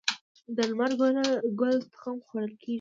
د لمر ګل تخم خوړل کیږي.